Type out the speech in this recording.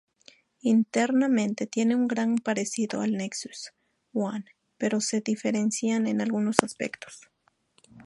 Internamente tiene un gran parecido al Nexus One, pero se diferencian en algunos aspectos.